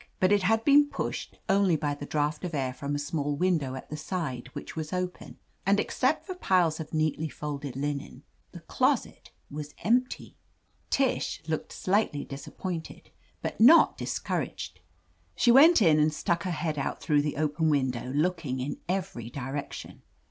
But it had been pushedi only by the draft of air from a small win4 dow at the side, which was open, and except for piles of neatly folded linen, the closet was c^P^X Tish looked slightly disappointed, but 177 THE AMAZING ADVENTURES not discouraged. She went in and stuck her head out through the open window, looking in every direction.